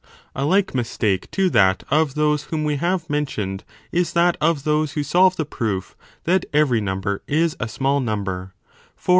A like mistake to that of those whom we have mentioned is that of those who solve the proof that every number is 1 I77 b 3i.